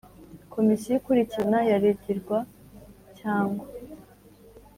Komisiyo ikurikirana yaregerwa cyangwa